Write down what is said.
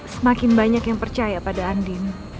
semakin banyak yang percaya pada andin